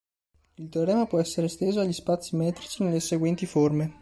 Il teorema può essere esteso agli spazi metrici nelle seguenti forme.